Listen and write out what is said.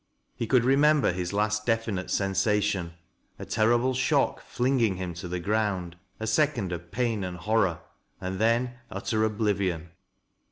He could re member his last definite sensation, — a terrible shock fling ing him to the ground, a second of pain and horror, and then utter oblivion.